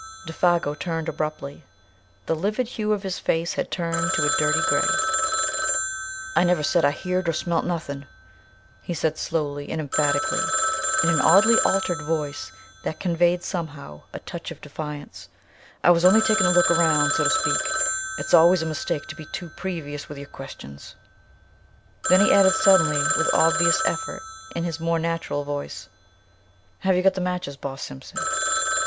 Défago turned abruptly; the livid hue of his face had turned to a dirty grey. "I never said I heered or smelt nuthin'," he said slowly and emphatically, in an oddly altered voice that conveyed somehow a touch of defiance. "I was only takin' a look round so to speak. It's always a mistake to be too previous with yer questions." Then he added suddenly with obvious effort, in his more natural voice, "Have you got the matches, Boss Simpson?"